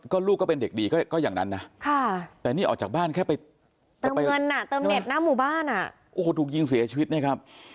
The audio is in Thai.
ก็ลูกก็เป็นเด็กดีก็อย่างนั้นนะ